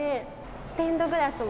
ステンドグラスも。